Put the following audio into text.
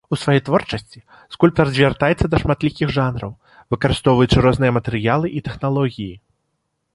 У сваёй творчасці скульптар звяртаецца да шматлікіх жанраў, выкарыстоўваючы розныя матэрыялы і тэхналогіі.